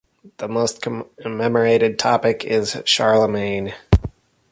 The most commemorated topic is Charlemagne.